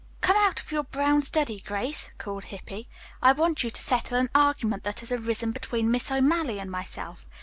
"Come out of your brown study, Grace," called Hippy. "I want you to settle an argument that has arisen between Miss O'Malley and myself.